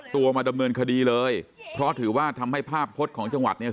ตัวมาดำเนินคดีเลยเพราะถือว่าทำให้ภาพพจน์ของจังหวัดเนี่ย